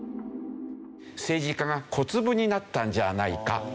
政治家が小粒になったんじゃないか。